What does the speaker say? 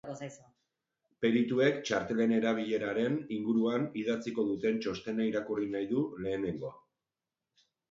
Perituek txartelen erabileraren inguruan idatziko duten txostena irakurri nahi du lehenengo.